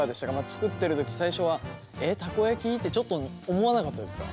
作ってる時最初は「えったこ焼き？」ってちょっと思わなかったですか？